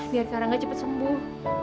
biar karangga cepet sembuh